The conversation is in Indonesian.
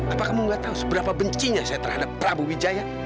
apa kamu gak tahu seberapa bencinya saya terhadap prabu wijaya